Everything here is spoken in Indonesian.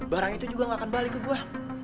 barang itu juga ga akan balik ke gue